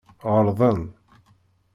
Ɣelḍen.